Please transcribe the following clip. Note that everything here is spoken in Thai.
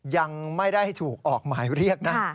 ยังไม่ได้ถูกออกหมายเรียกนะ